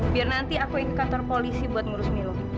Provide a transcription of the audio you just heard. biar nanti aku pergi ke kantor polisi buat ngurus milo